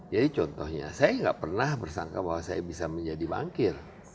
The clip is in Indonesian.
jadi contohnya saya gak pernah bersangka bahwa saya bisa menjadi bankir